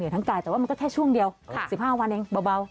แต่ว่ามันก็แค่ช่วงเดียว๑๕วันเองเบา